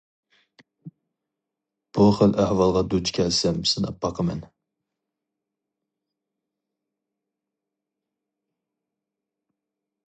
بۇ خىل ئەھۋالغا دۇچ كەلسەم سىناپ باقىمەن.